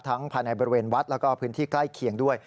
ภายในบริเวณวัดแล้วก็พื้นที่ใกล้เคียงด้วย